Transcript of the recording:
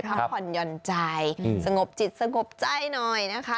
พักผ่อนหย่อนใจสงบจิตสงบใจหน่อยนะคะ